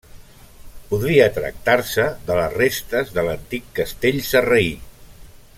Podria tractar-se de les restes de l'antic castell sarraí.